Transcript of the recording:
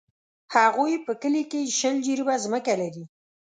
هغوی په کلي کښې شل جریبه ځمکه لري.